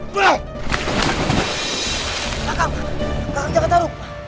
kakang kakang jagad taruk